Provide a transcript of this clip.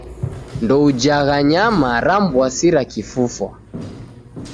Ndoujagha nyama ram'w'asira kifufwa.